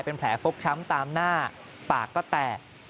เป็นแผลฟกช้ำตามหน้าปากก็แตก